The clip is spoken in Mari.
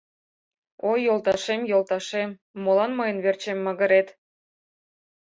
Ой, йолташем, йолташем, молан мыйын верчем магырет?